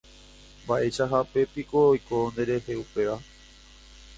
Mba'eichahápepiko oiko nderehe upéva.